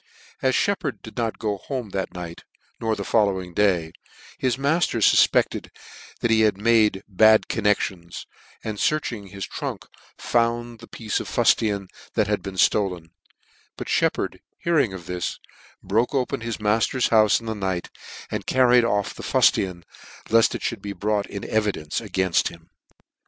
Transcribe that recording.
As Sheppard did not go home that night, nor the following day, his mailer fulpecteti that he had made bad connections, and fearching his trunk, found the piece of fuftian that had been ftolen ; but Sheppard, hearing of this, broke open his mafter's houfe in the night, and carried off the fnitian, left it fhould be brought in evi dence againft him.